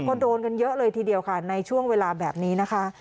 ก็โดนกันเยอะเลยทีเดียวค่ะในช่วงเวลาแบบนี้นะคะ